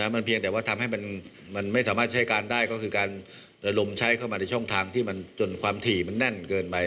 มันเพียงแต่ว่าทำให้มันไม่สามารถใช้การได้ก็คือการระลมใช้เข้ามาในช่องทางที่มันจนความถี่มันแน่นเกินไป